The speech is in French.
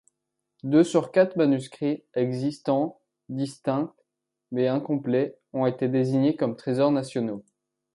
Deux sur quatre manuscrits existants distincts mais incomplets ont été désignés comme Trésors nationaux.